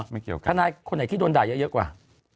หรอธนายคนไหนที่โดนด่ายเยอะกว่า